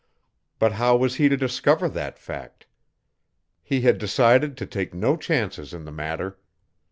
But how was he to discover that fact? He had decided to take no chances in the matter.